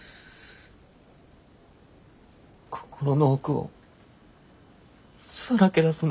心の奥をさらけ出すの。